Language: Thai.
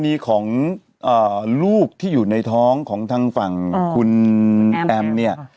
มีของลูกที่อยู่ในท้องของทางฝั่งคุณแอมเนี่ย